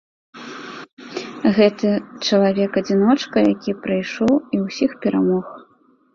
Гэта чалавек-адзіночка, які прыйшоў і ўсіх перамог.